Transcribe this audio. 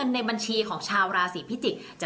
ส่งผลทำให้ดวงชาวราศีมีนดีแบบสุดเลยนะคะ